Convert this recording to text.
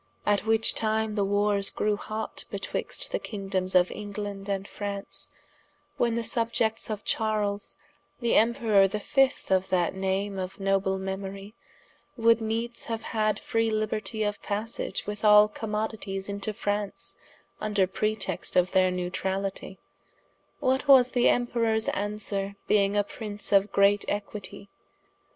at which time the warres grew hotte betwixt the kingdomes of England and Fraunce, when the subiects of Charles the Emperour the fift of that name of noble memorie, would needes haue had free libertie of passage with all commodities into Fraunce, vnder pretext of their Newtralitie, What was the Emperours answere being a Prince of great equitie?